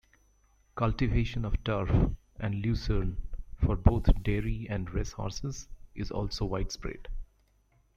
Cultivation of turf and lucerne for both dairy and racehorses is also widespread.